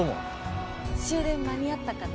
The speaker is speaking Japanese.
終電間に合ったかな？